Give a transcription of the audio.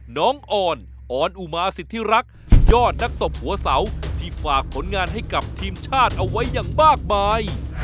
น้องอ่อนออนอุมาสิทธิรักษ์ยอดนักตบหัวเสาที่ฝากผลงานให้กับทีมชาติเอาไว้อย่างมากมาย